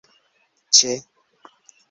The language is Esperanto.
ĉe